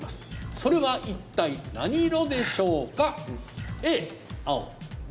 それは一体何色でしょうか？